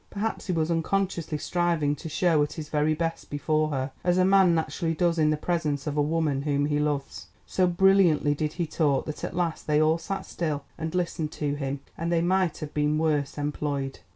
Perhaps he was unconsciously striving to show at his very best before her, as a man naturally does in the presence of a woman whom he loves. So brilliantly did he talk that at last they all sat still and listened to him, and they might have been worse employed.